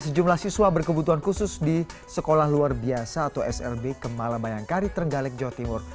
sejumlah siswa berkebutuhan khusus di sekolah luar biasa atau srb kemala bayangkari trenggalek jawa timur